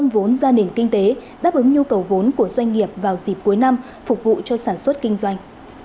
vốn gia đình kinh tế đáp ứng nhu cầu vốn của doanh nghiệp vào dịp cuối năm phục vụ cho sản xuất kinh doanh